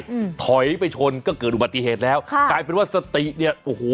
อืมถอยไปชนก็เกิดอุบัติเหตุแล้วค่ะกลายเป็นว่าสติเนี้ยโอ้โห